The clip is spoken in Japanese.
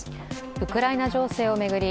ウクライナ情勢を巡り